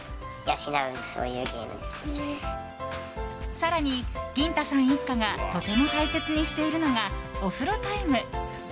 更に、ぎん太さん一家がとても大切にしているのがお風呂タイム。